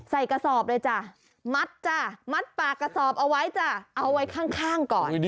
กระสอบเลยจ้ะมัดจ้ะมัดปากกระสอบเอาไว้จ้ะเอาไว้ข้างก่อน